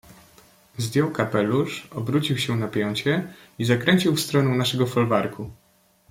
"Zdjął kapelusz, obrócił się na pięcie i zakręcił w stronę naszego folwarku."